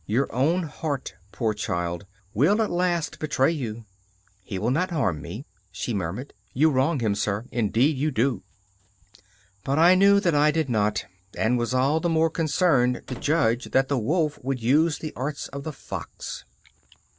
Your own heart, poor child, will at last betray you.' 'He will not harm me,' she murmured. 'You wrong him, sir, indeed you do.' But I knew that I did not, and was all the more concerned to judge that the wolf would use the arts of the fox.